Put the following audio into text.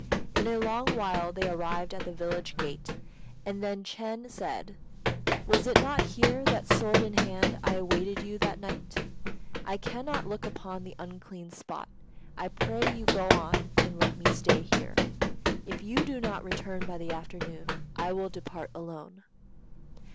In a little while they arrived at the village gate, and then Ch'êng said, "Was it not here that, sword in hand, I awaited you that night? I cannot look upon the unclean spot. I pray you go on, and let me stay here. If you do not return by the afternoon, I will depart alone."